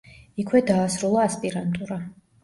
იქვე დაასრულა ასპირანტურა.